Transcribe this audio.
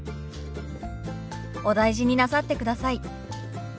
「お大事になさってください」。